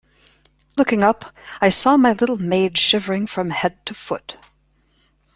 Looking up, I saw my little maid shivering from head to foot.